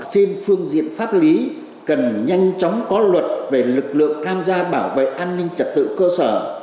trên phương diện pháp lý cần nhanh chóng có luật về lực lượng tham gia bảo vệ an ninh trật tự cơ sở